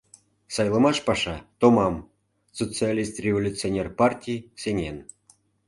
— Сайлымаш паша томам, социалист-революционер партий сеҥен.